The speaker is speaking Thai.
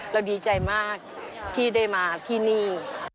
ดีใจมากที่ได้มาที่นี่